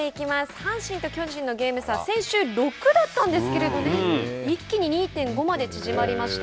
阪神と巨人のゲーム差は先週、６だったんですけれども一気に２．５まで縮まりました。